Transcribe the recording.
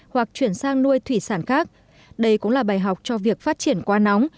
hoặc chuyển sang nuôi thủy sản khác đây cũng là bài học cho việc phát triển quá nóng